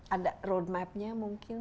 ada road mapnya mungkin